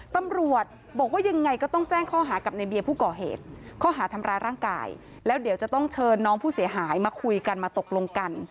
ตำรวจบอกว่ายังไงก็ต้องแจ้งข้อหากับในเบียร์ผู้ก่อเหตุข้อหาทำร้ายร่างกายแล้วเดี๋ยวจะต้องเชิญน้องผู้เสียหายมาคุยกันมาตกลงกัน